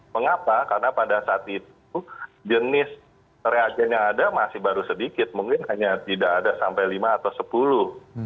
mengapa karena pada saat itu jenis reagen yang ada masih baru sedikit mungkin hanya tidak ada sampai lima atau sepuluh